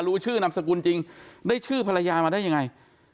รู้ชื่อนามสกุลจริงได้ชื่อภรรยามาได้ยังไง